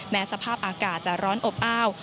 สภาพอากาศจะร้อนอบอ้าว